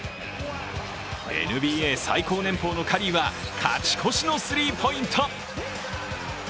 ＮＢＡ最高年俸のカリーは勝ち越しのスリーポイント。